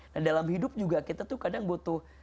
nah dalam hidup juga kita tuh kadang butuh